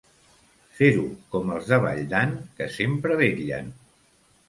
Fer-ho com els de Valldan, que sempre vetllen.